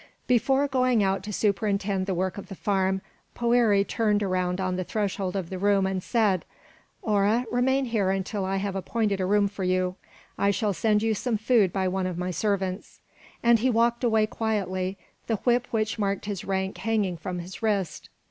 Before going out to superintend the work of the farm, Poëri turned around on the threshold of the room and said, "Hora, remain here until I have appointed a room for you. I shall send you some food by one of my servants." And he walked away quietly, the whip which marked his rank hanging from his wrist.